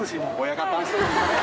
親方。